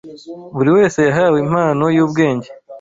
Buri wese yahawe impano y’ubwenge